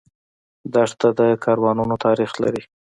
دښته د کاروانونو تاریخ لري.